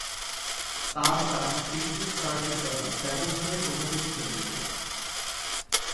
তার কাজ ফ্রিডরিখ কাটজের দ্বারা ব্যাপকভাবে প্রভাবিত হয়েছিল।